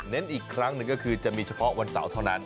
อีกครั้งหนึ่งก็คือจะมีเฉพาะวันเสาร์เท่านั้น